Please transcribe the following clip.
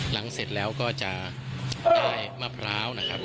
เสร็จแล้วก็จะได้มะพร้าวนะครับ